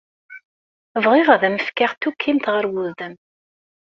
Bɣiɣ ad am-fkeɣ tukkimt ɣer wudem.